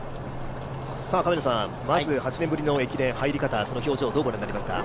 まず８年ぶりの駅伝入り方、どうご覧になりますか？